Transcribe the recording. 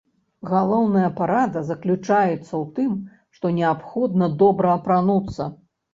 Галоўная парада заключаецца ў тым, што неабходна добра апрануцца.